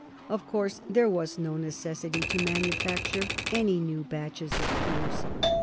Of course, there was no necessity to manufacture any new batches of peers.